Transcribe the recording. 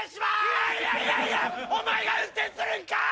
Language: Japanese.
いやいやいやいやお前が運転するんかい！